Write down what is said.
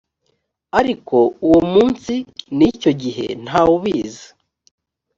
ariko uwo munsi n icyo gihe nta wubizi